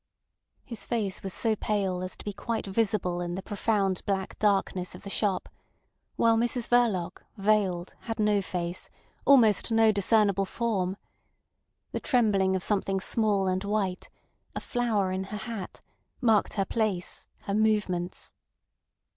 His face was so pale as to be quite visible in the profound black darkness of the shop; while Mrs Verloc, veiled, had no face, almost no discernible form. The trembling of something small and white, a flower in her hat, marked her place, her movements.